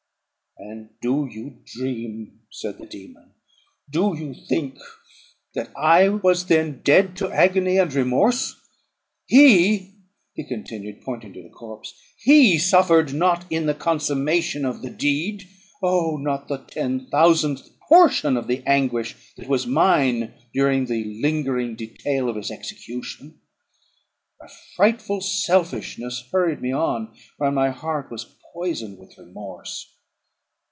"And do you dream?" said the dæmon; "do you think that I was then dead to agony and remorse? He," he continued, pointing to the corpse, "he suffered not in the consummation of the deed oh! not the ten thousandth portion of the anguish that was mine during the lingering detail of its execution. A frightful selfishness hurried me on, while my heart was poisoned with remorse.